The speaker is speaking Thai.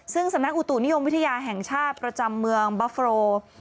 ซึ่งสำนักอุตุนิยมวิทยาแห่งชาติประจำเมืองบัฟโร